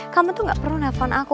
kamu tuh gak perlu nelfon aku